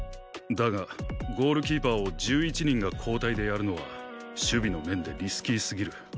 だがゴールキーパーを１１人が交代でやるのは守備の面でリスキーすぎる。